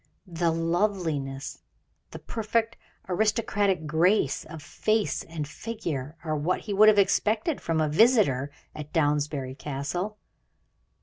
The loveliness, the perfect aristocratic grace of face and figure, are what he would have expected from a visitor at Downsbury Castle.